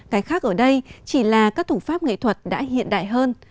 cái khác ở đây chỉ là các thủ pháp nghệ thuật đã hiện đại hơn